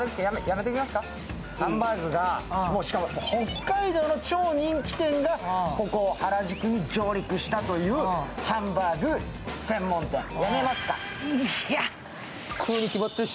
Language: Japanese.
しかも北海道の超人気店がここ、原宿に上陸したというハンバーグ専門店、やめますか？